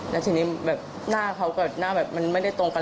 แล้วทีนี้แบบหน้าเขากับหน้าแบบมันไม่ได้ตรงกัน